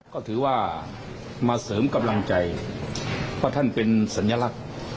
ก็ถือว่ามาเสริมกำลังใจเพราะท่านเป็นสัญลักษณ์